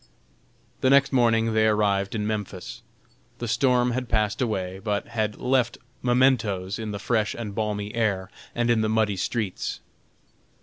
The next morning they arrived in Memphis. The storm had passed away, but had left mementoes in the fresh and balmy air and in the muddy streets.